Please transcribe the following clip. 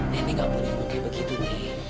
nenek nggak boleh begitu nek